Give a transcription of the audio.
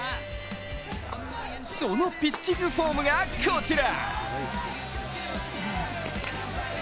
そのピッチングフォームがこちら！